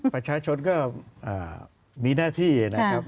ประชาชนก็มีหน้าที่นะครับ